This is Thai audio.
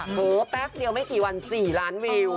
โหแป๊บเดียวไม่กี่วัน๔ล้านวิว